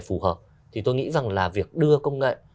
phù hợp thì tôi nghĩ rằng là việc đưa công nghệ